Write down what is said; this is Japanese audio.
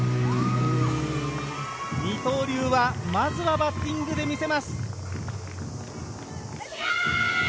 二刀流はまずはバッティングで見せます。